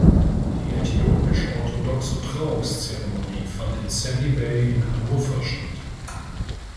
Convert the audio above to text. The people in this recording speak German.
Die äthiopisch-orthodoxe Trauungszeremonie fand in Sandy Bay in Hanover statt.